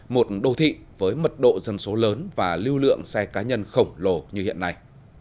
một đô thị với mật độ dân số lớn và lưu lượng xe cá nhân khổng lồ như hiện nay